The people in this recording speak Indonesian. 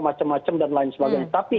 macam macam dan lain sebagainya tapi